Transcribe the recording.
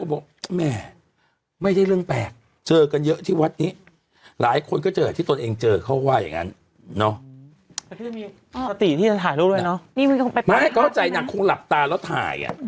เนาะอรสตรีที่จะถ่ายรูปด้วยเนาะไม่เขาเข้าใจน่ะคงหลับตาแล้วถ่ายอ่ะ